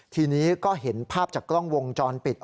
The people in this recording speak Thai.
ทีนี้ก็เห็นภาพจากกล้องวงจรปิด